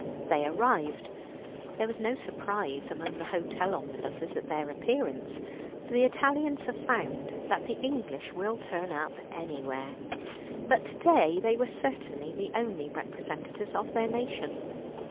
They arrived. There was no surprise among the hotel omnibuses at their appearance, for the Italians have found that the English will turn up everywhere; but to day they were certainly the only representatives of their nation.